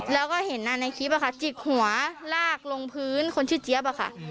แล้วก็เห็นในคลิปจิกหัวลากลงพื้นคนชื่อเจี๊ยบอะค่ะ